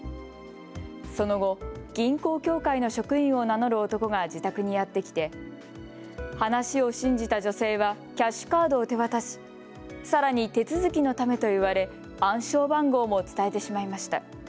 その後、銀行協会の職員を名乗る男が自宅にやって来て話を信じた女性はキャッシュカードを手渡しさらに手続きのためと言われ暗証番号も伝えてしまいました。